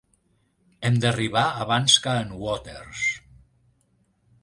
Hem d'arribar abans que en Waters.